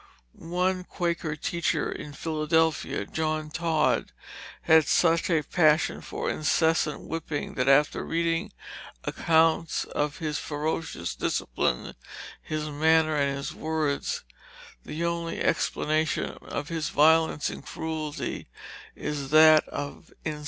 One Quaker teacher in Philadelphia, John Todd, had such a passion for incessant whipping that, after reading accounts of his ferocious discipline, his manner and his words, the only explanation of his violence and cruelty is that of insanity.